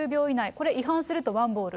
これ、違反するとワンボール。